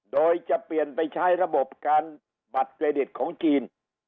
โดยจะเปลี่ยนไปใช้ระบบการบัตรเครดิตของจีน